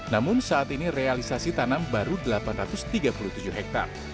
namun saat ini realisasi tanam baru delapan ratus tiga puluh tujuh hektare